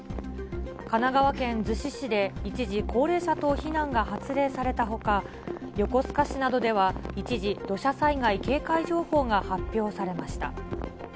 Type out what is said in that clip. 神奈川県逗子市で一時、高齢者等避難が発令されたほか、横須賀市などでは一時、土砂災害警戒情報が発表されました。